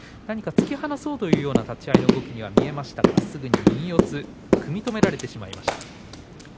何か突き放そうという立ち合いの動きに見えましたがすぐに右四つ組み止められてしまいました。